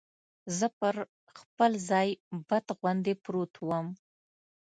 زه پر خپل ځای بت غوندې پروت ووم.